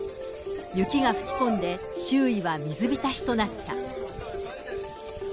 雪が吹き込んで、周囲は水浸しとなった。